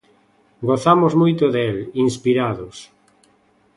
Gozamos moito del, inspirados.